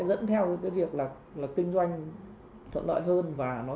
an toàn hơn